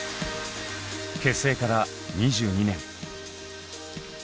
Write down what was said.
結成から２２年。